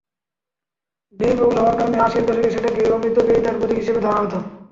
ব্যয়বহুল হওয়ার কারণে আশির দশকে সেটাকে অমিতব্যয়িতার প্রতীক হিসেবে ধরা হতো।